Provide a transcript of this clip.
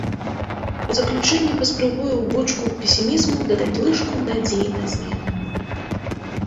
У заключэнне паспрабую ў бочку песімізму дадаць лыжку надзей на змены.